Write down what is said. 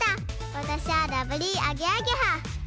わたしはラブリーアゲアゲハ。